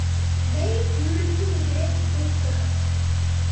உடை முள்ளுக்கு எதிரே உதைக்கலாமா?